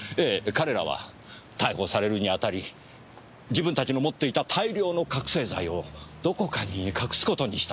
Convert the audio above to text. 彼らは逮捕されるにあたり自分たちの持っていた大量の覚せい剤をどこかに隠すことにしたんです。